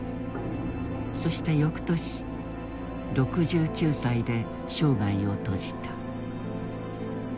そして翌年６９歳で生涯を閉じた。